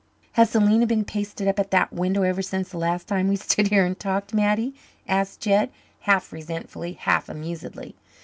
"Has Selena been pasted up at that window ever since the last time we stood here and talked, Mattie?" asked Jed, half resentfully, half amusedly.